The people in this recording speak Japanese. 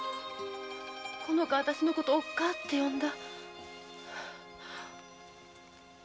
この子あたしのことをおっ母って呼んだ。